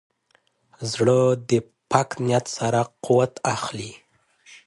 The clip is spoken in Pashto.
زړه د پاک نیت سره قوت اخلي.